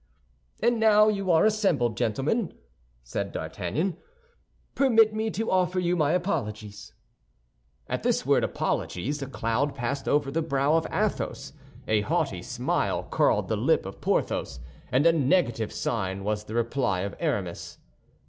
"And now you are assembled, gentlemen," said D'Artagnan, "permit me to offer you my apologies." At this word apologies, a cloud passed over the brow of Athos, a haughty smile curled the lip of Porthos, and a negative sign was the reply of Aramis.